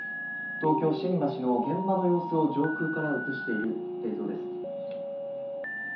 東京、新橋の現場の様子を上空から映している映像です。